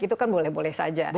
itu kan boleh boleh saja